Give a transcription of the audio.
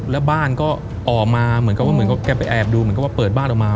แล้วบ้านก็ออกมาเหมือนกับว่าเหมือนกับแกไปแอบดูเหมือนกับว่าเปิดบ้านออกมา